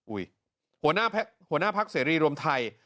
หัวหน้าพักเสรีรวมไทย